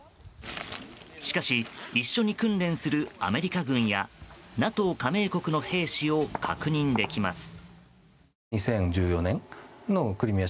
しかし一緒に訓練するアメリカ軍やＮＡＴＯ加盟国の兵士を確認できます。